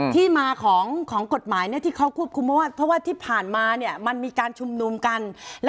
ที่มาของกฎหมายที่เขาควบคุมว่าที่ผ่านมามันมีการชุมนุมกัน